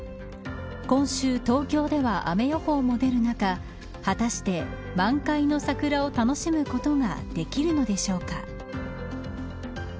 今週、東京では雨予報も出る中はたして満開の桜を楽しむことができるのでしょうか。